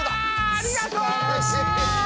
ありがとう！